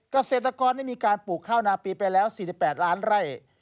เกษตรกรได้มีการปลูกข้าวนาปีไปแล้ว๔๘ล้านไร่